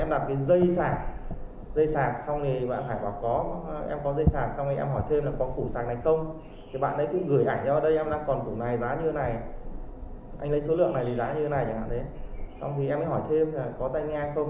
đầu tiên em nhớ không nhầm là em đặt cái dây sạc dây sạc xong thì bạn phải bảo có em có dây sạc xong thì em hỏi thêm là có củ sạc này không